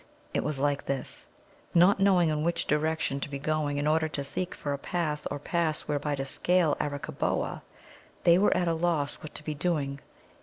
It was like this: Not knowing in which direction to be going in order to seek for a path or pass whereby to scale Arakkaboa, they were at a loss what to be doing.